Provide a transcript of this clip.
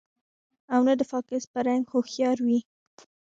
او نۀ د فاکس پۀ رنګ هوښيار وي